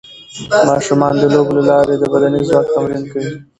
ماشومان د لوبو له لارې د بدني ځواک تمرین کوي.